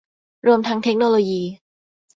รวมทั้งเทคโนโลยี